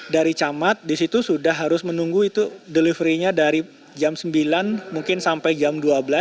dari camat disitu sudah harus menunggu itu delivery nya dari jam sembilan mungkin sampai jam dua belas